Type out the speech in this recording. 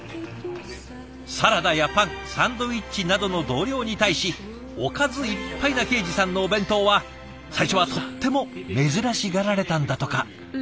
サラダやパンサンドイッチなどの同僚に対しおかずいっぱいな恵司さんのお弁当は最初はとっても珍しがられたんだとか。